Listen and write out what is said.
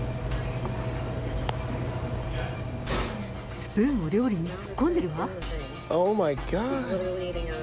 スプーンを料理に突っ込んでるわ。